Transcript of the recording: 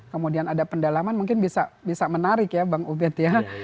kemudian ada pendalaman mungkin bisa menarik ya bang ubed ya